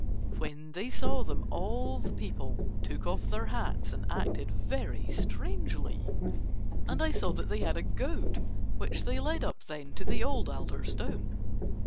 When they saw them all the people took off their hats and acted very strangely, and I saw that they had a goat which they led up then to the old altar stone.